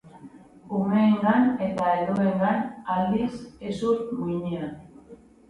Umeengan eta helduengan, aldiz, hezur muinean.